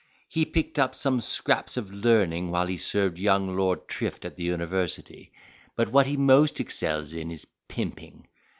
He picked up some scraps of learning while he served young Lord Trifte at the university. But what he most excels in is pimping.